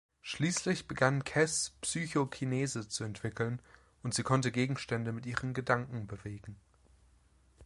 Schließlich begann Kes, Psychokinese zu entwickeln, und sie konnte Gegenstände mit ihren Gedanken bewegen.